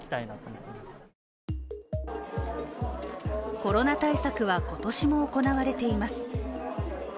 コロナ対策は今年も行われています。